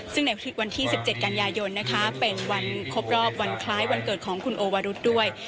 ซึ่งในวันที่๑๗กันยายนนะคะเป็นวันครบรอบวันคล้ายวันเกิดของคุณโอวรุษด้วย